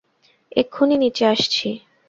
এক্ষুনি নিচে আসছি!